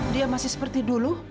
dia masih seperti dulu